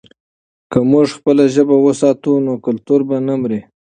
که موږ خپله ژبه وساتو، نو کلتور به نه مري.